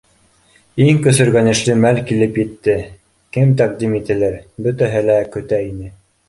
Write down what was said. Иң көсөргәнешле мәл килеп етте: кем тәҡдим ителер? Бөтәһе лә көтә ине